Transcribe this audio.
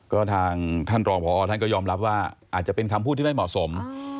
ก็ทางท่านรองพอท่านก็ยอมรับว่าอาจจะเป็นคำพูดที่ไม่เหมาะสม